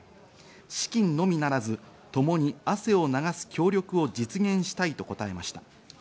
資金のみならず、ともに汗を流す協力を実現したいと答えました。